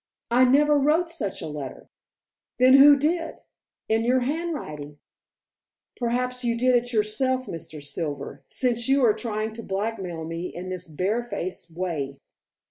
"I never wrote such a letter." "Then who did in your handwriting?" "Perhaps you did yourself, Mr. Silver, since you are trying to blackmail me in this bareface way."